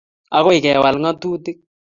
Agoi kewal ng'atutik